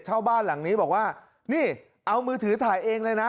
เช่าบ้านหลังนี้บอกว่านี่เอามือถือถ่ายเองเลยนะ